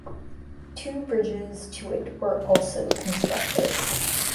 Two bridges to it were also constructed.